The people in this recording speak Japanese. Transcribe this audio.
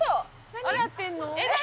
何やってるの？